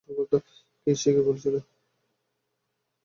সে কী বলেছিলো?